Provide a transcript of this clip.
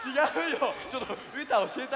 ちょっとうーたんおしえてあげてよ！